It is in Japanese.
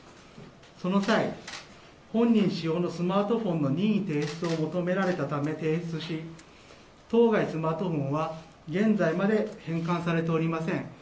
その際、本人使用のスマートフォンの任意提出を求められたため提出し、当該するものは現在まで返還されておりません。